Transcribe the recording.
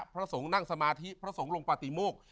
พระสงฆ์นั่งสมาธิพระสงฆ์ลงปฏิโมก